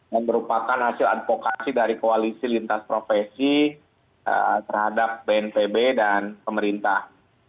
yang merupakan hasil advokasi dari koalisi lintas profesi terhadap bnpb dan pemerintah